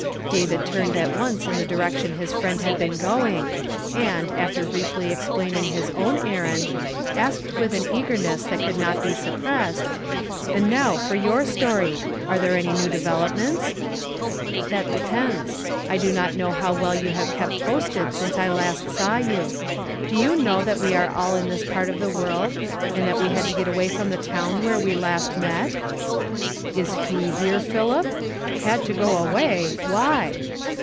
David turned at once in the direction his friend had been going, and, after briefly explaining his own errand, asked with an eagerness that could not be suppressed, — "And now for your story. Are there any new developments ?"" That depends. I do not know how well you have kept posted since I last saw you. Do you know that we are all in this ^.\ t of the world, and that we had to get .iway from tie town where w^e lust met? " "Js //« here, Philip? '— Ha , to g. iway'? Why?"